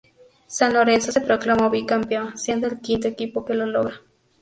San Lorenzo se proclamó bicampeón, siendo el quinto equipo que lo logra.